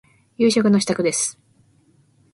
夕食の支度です。